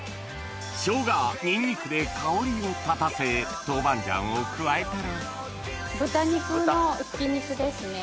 生姜ニンニクで香りを立たせ豆板醤を加えたら豚肉の挽肉ですね。